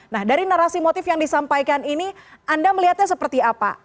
nah dari narasi motif yang disampaikan ini anda melihatnya seperti apa